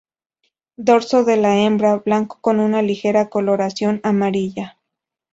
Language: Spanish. Dorso de la hembra: blanco con una ligera coloración amarilla.